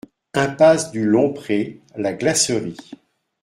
Impasse du Long Pré, La Glacerie